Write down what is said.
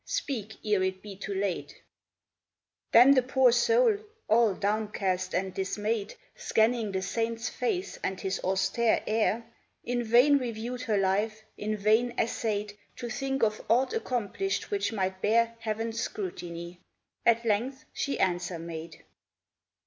Speak ere it be too late !" THE LEGEND OF THE ALMOST SA VED 27 Then the poor soul, all downcast and dismayed, Scanning the saint's face and his austere air, In vain reviewed her life, in vain essayed To think of aught accomplished which might bear Heaven's scrutiny. At length she answer made.